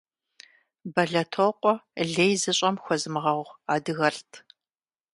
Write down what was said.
Бэлэтокъуэ лей зыщӀэм хуэзмыгъэгъу адыгэлӀт.